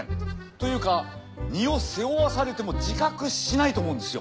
というか荷を背負わされても自覚しないと思うんですよ。